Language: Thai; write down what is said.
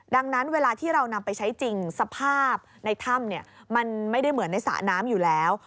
ดังนั้นเวลาที่เรานำไปใช้จริงสภาพในถ้ำมันไม่ได้เหมือนในสระน้ำอยู่แล้ว